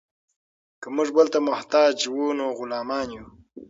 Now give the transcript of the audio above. که موږ بل ته محتاج وو نو غلامان یو.